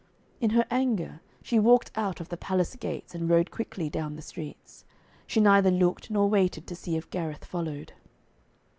In her anger, she walked out of the palace gates, and rode quickly down the streets. She neither looked nor waited to see if Gareth followed.